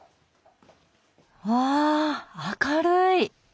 わあ明るい！